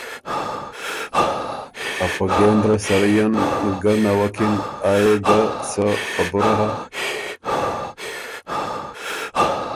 ا په ګېندره سړئ ن ګه نوکِن، آ يې ګۀ څه خبُره هۀ؟“